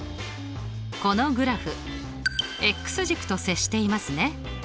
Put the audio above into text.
このグラフ軸と接していますね。